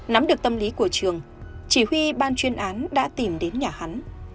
nắm được tâm lý của trường chỉ huy ban chuyên án đã tìm đến nhà hắn